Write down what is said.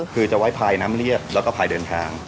คือจะไว้ภายน้ำเรียบแล้วก็พายเดินทาง